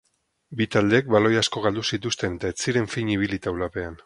Bi taldeek baloi asko galdu zituzten eta ez ziren fin ibili taulapean.